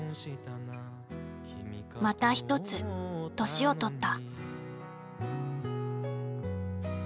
また一つ年をとった。